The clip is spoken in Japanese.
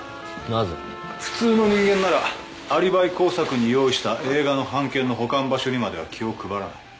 なぜ普通の人間ならアリバイ工作に用意した映画の半券の保管場所にまでは気を配らない